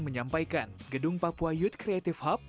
menyampaikan gedung papua youth creative hub